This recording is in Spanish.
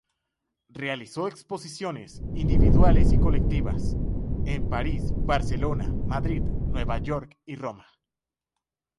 Realizó exposiciones, individuales y colectivas, en París, Barcelona, Madrid, Nueva York y Roma.